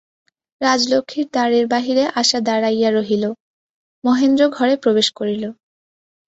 রাজলক্ষ্মীর দ্বারের বাহিরে আশা দাঁড়াইয়া রহিল, মহেন্দ্র ঘরে প্রবেশ করিল।